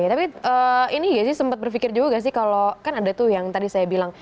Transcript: tapi ini ya sih sempat berpikir juga gak sih kalau kan ada tuh yang tadi saya bilang